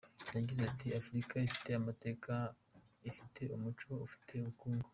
Yagize ati “Afurika ifite amateka, ifite umuco, ifite ubukungu.